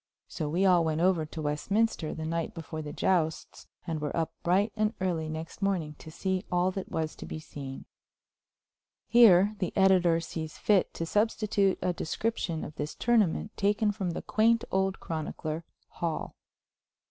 So we all went over to Westminster the night before the jousts, and were up bright and early next morning to see all that was to be seen. [Here the editor sees fit to substitute a description of this tournament taken from the quaint old chronicler, Hall.